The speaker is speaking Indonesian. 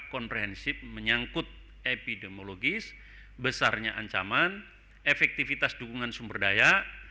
komprehensif menyangkut epidemiologis besarnya ancaman efektivitas dukungan sumber daya